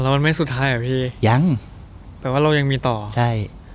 แล้วมันไม่สุดท้ายเหรอพี่ยังแต่ว่าเรายังมีต่อใช่